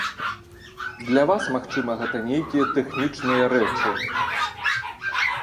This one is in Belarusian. Для вас, магчыма, гэта нейкія тэхнічныя рэчы.